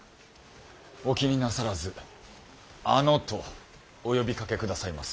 お気になさらず「あの」とお呼びかけ下さいませ。